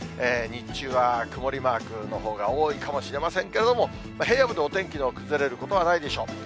日中は曇りマークのほうが多いかもしれませんけども、平野部でお天気の崩れることはないでしょう。